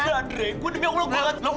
nek andre gue demi allah gue nggak